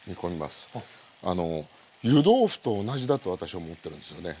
あの湯豆腐と同じだと私は思ってるんですよね。